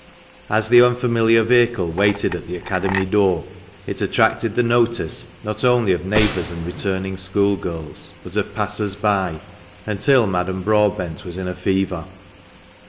As the unfamiliar vehicle waited at the " Academy " door, it attracted the notice not only of neighbours and returning schoolgirls, but of passers by, until Madame Broadbent was in a fever.